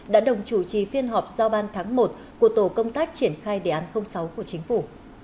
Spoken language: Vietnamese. đã đồng chủ trì phiên họp giao ban tháng một của tổ công tác triển khai đề án sáu của chính phủ